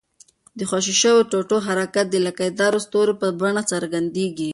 د خوشي شوي ټوټو حرکت د لکۍ داره ستوري په بڼه څرګندیږي.